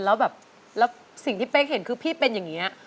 แล้วแบบแล้วสิ่งที่เป๊กเห็นคือพี่เป็นอย่างนี้